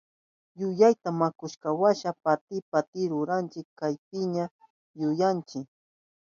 Yuyuta wankushkanwasha piti piti ruranchi chaypiña yanunchi.